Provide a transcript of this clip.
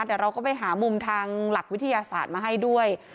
เดี๋ยวเราก็ไปหามุมทางหลักวิทยาศาสตร์มาให้ด้วย